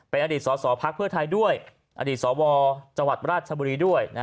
เป็นอดีตสอสอพักเพื่อไทยด้วยอดีตสวจังหวัดราชบุรีด้วย